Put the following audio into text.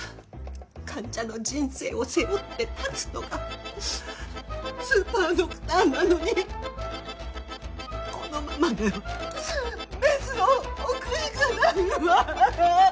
患者の人生を背負って立つのがスーパードクターなのにこのままではメスを置くしかないわ。